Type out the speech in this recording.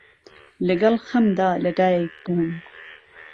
لەگەڵ خەمدا لە دایک بووم،